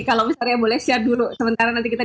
kalau misalnya boleh share dulu sementara nanti kita